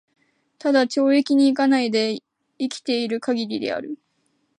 只懲役に行かないで生きて居る許りである。